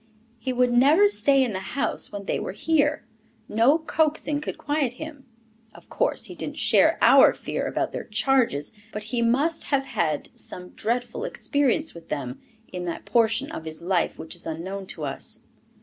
He would never stay in the house when they were here. No coaxing could quiet him. Of course he didn't share our fear about their charges, but he must have had some dreadful experience with them in that portion of his life which is unknown to us.